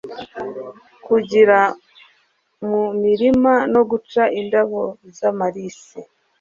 kuragira mu mirima no guca indabo z'amalisi